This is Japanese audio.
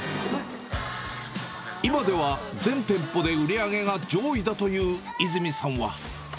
今では全店舗で売り上げが上位だという泉さんは。